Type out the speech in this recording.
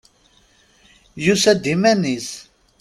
Yusa-d iman-is.